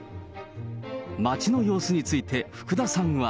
街の様子について、福田さんは。